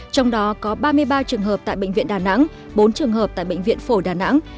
trong đó có ba mươi ba trường hợp tại bệnh viện đà nẵng bốn trường hợp tại bệnh viện phổ đà nẵng